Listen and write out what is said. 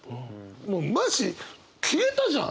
もうマジ消えたじゃん。